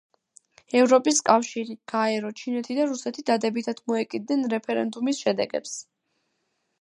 ევროპის კავშირი, გაერო, ჩინეთი და რუსეთი დადებითად მოეკიდნენ რეფერენდუმის შედეგებს.